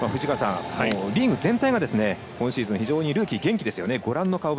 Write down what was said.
リーグ全体が今シーズンルーキー元気ですよね。